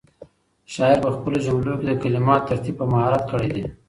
شاعر په خپلو جملو کې د کلماتو ترتیب په مهارت کړی دی.